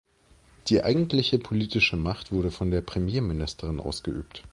Die eigentliche politische Macht wurde von der Premierministerin ausgeübt.